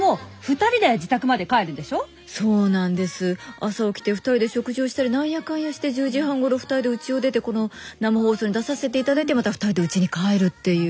朝起きて２人で食事をしたり何やかんやして１０時半ごろ２人でうちを出てこの生放送に出させて頂いてまた２人でうちに帰るっていう。